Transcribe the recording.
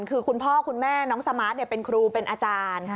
คือคุณพ่อคุณแม่น้องสมาร์ทเป็นครูเป็นอาจารย์